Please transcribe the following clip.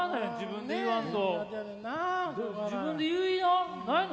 自分で言いな。ないの？